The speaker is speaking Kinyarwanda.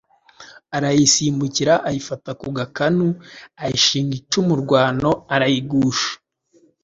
Arayisimbukira ayifata ku gakanu ayishinga icumu rwano arayigusha.